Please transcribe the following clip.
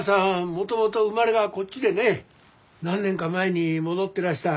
もともと生まれがこっちでね何年か前に戻ってらした。